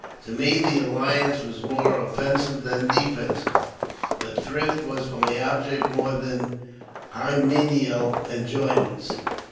To me the alliance was more offensive than defensive, but thrift was my object more than hymeneal enjoyments.